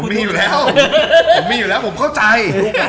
มันมีอยู่แล้วผมเข้าใจ